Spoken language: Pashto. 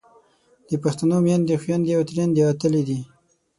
د پښتنو میندې، خویندې او ترېیندې اتلې دي.